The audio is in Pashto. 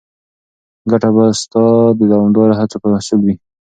ګټه به ستا د دوامداره هڅو محصول وي.